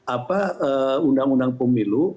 apa undang undang pemilu